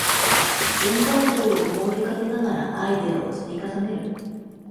全体像を思い浮かべながらアイデアを積み重ねる